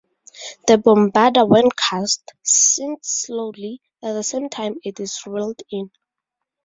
The bombarda when cast, sinks slowly, at the same time, it is reeled in.